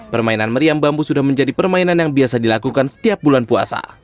permainan meriam bambu sudah menjadi permainan yang biasa dilakukan setiap bulan puasa